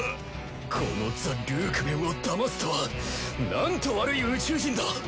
このザ・ルークメンをだますとはなんと悪い宇宙人だ！